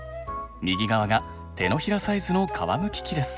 右側が手のひらサイズの皮むき器です。